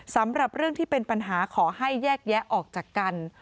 สำหรับเรื่องที่เป็นปัญหาขอให้แยกแยะออกจากกัน